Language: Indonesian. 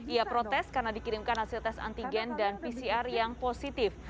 ia protes karena dikirimkan hasil tes antigen dan pcr yang positif